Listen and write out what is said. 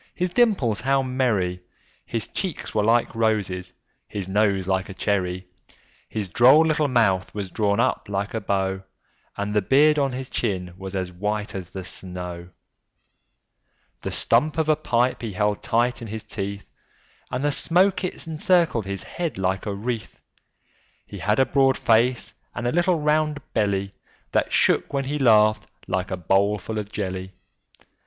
his dimples how merry! His cheeks were like roses, his nose like a cherry! His droll little mouth was drawn up like a bow, And the beard of his chin was as white as the snow; The stump of a pipe he held tight in his teeth, And the smoke it encircled his head like a wreath; He had a broad face and a little round belly, That shook when he laughed, like a bowlful of jelly.